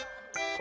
あ。